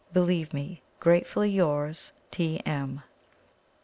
"Believe me, "Gratefully yours, "T.M."